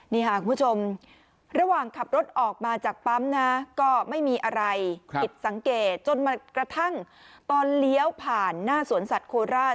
นี่ค่ะคุณผู้ชมระหว่างขับรถออกมาจากปั๊มนะก็ไม่มีอะไรผิดสังเกตจนมากระทั่งตอนเลี้ยวผ่านหน้าสวนสัตว์โคราช